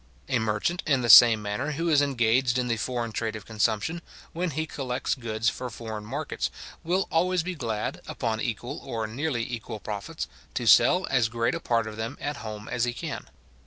A merchant, in the same manner, who is engaged in the foreign trade of consumption, when he collects goods for foreign markets, will always be glad, upon equal or nearly equal profits, to sell as great a part of them at home as he can.